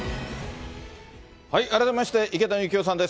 改めまして、池谷幸雄さんです。